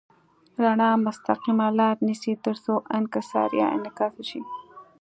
رڼا مستقیمه لاره نیسي تر څو انکسار یا انعکاس وشي.